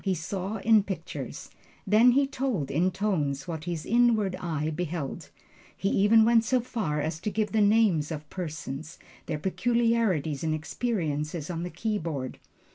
He saw in pictures, then he told in tones, what his inward eye beheld. He even went so far as to give the names of persons, their peculiarities and experiences on the keyboard.